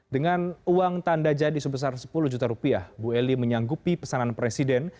dengan uang tanda jadi sebesar sepuluh juta rupiah bu eli menyanggupi pesanan presiden